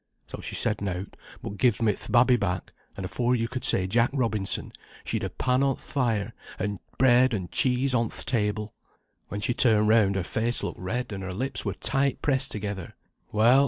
So she said nought, but gived me th' babby back, and afore yo' could say Jack Robinson, she'd a pan on th' fire, and bread and cheese on th' table. When she turned round, her face looked red, and her lips were tight pressed together. Well!